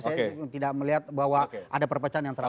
saya tidak melihat bahwa ada perpecahan yang terlalu